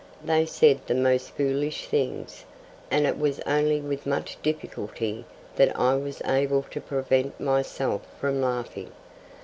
They said the most foolish things, and it was only with much difficulty that I was able to prevent myself from laughing.